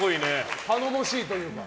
頼もしいというか。